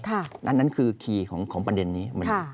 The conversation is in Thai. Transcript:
อันนั้นคือคีย์ของปัญญานี้